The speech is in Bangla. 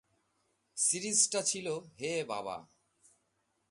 সিরিজটা ছিল "হে বাবা...!